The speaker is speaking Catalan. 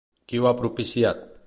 Qui ho ha propiciat?